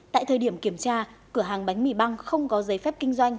tại thời điểm kiểm tra cửa hàng bánh mì băng không có giấy phép kinh doanh